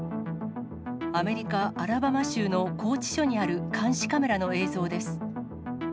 アメリカ・アラバマ州の拘置所にある監視カメラの映像です。